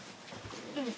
うん。